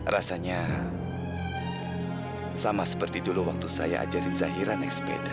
rasanya sama seperti dulu waktu saya ajarin zahira naik sepeda